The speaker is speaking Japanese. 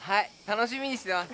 楽しみにしてます。